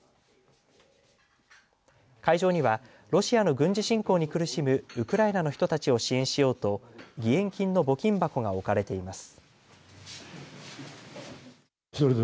会場にはロシアの軍事侵攻に苦しむウクライナの人たちを支援しようと義援金の募金箱が置かれています。